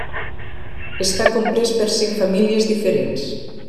Està comprès per cinc famílies diferents.